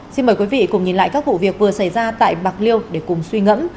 xin mời quý vị cùng nhìn lại các vụ việc vừa xảy ra tại bạc liêu để cùng suy ngẫm